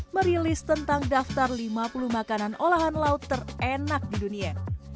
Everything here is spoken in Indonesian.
merilis tentang daftar lima puluh makanan olahan laut terenak di dunia